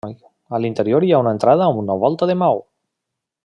A l'interior hi ha una entrada amb volta de maó.